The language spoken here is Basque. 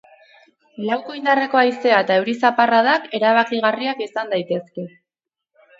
Lauko indarreko haizea eta euri zaparradak erabakigarriak izan daitezke.